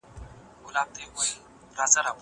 هغه څوک چي بوټونه پاکوي روغ اوسي.